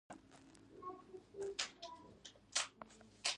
مالټه د خوړلو لپاره آسانه ده.